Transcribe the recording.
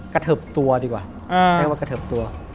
กระเถิบตัวดีกว่า